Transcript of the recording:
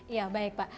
ya baik pak